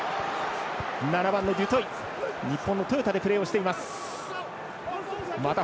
７番、デュトイは日本のトヨタでプレーしています。